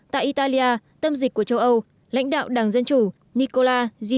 tại italia tâm dịch của châu âu lãnh đạo đảng dân chủ nikolai